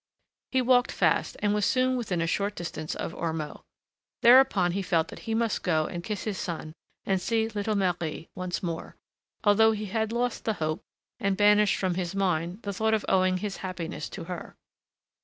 He walked fast, and was soon within a short distance of Ormeaux. Thereupon he felt that he must go and kiss his son and see little Marie once more, although he had lost the hope and banished from his mind the thought of owing his happiness to her.